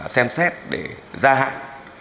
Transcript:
xem xét để ra hạng